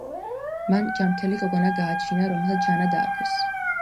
მან ჯანმრთელი გოგონა გააჩინა რომელსაც ჟანა დაარქვეს.